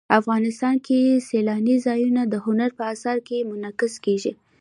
افغانستان کې سیلانی ځایونه د هنر په اثار کې منعکس کېږي.